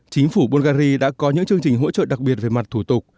chính phủ bungary đã có những chương trình hỗ trợ đặc biệt về mặt thủ tục